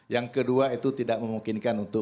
yang kedua itu tidak memungkinkan untuk